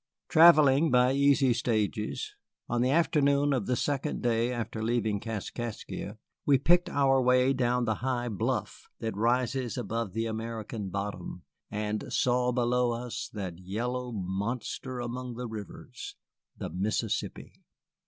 Travelling by easy stages, on the afternoon of the second day after leaving Kaskaskia we picked our way down the high bluff that rises above the American bottom, and saw below us that yellow monster among the rivers, the Mississippi.